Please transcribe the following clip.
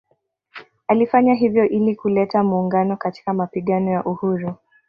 Alifanya hivyo ili kuleta muungano katika mapigano ya uhuru